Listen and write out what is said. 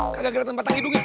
kagak kelihatan patah hidungnya